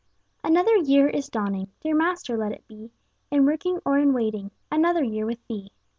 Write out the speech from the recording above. Another year is dawning! Dear Master, let it be In working or in waiting, Another year with Thee.